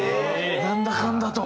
なんだかんだと。